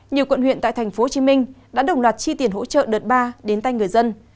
nhiều quận huyện tại tp hcm đã đồng loạt chi tiền hỗ trợ đợt ba đến tay người dân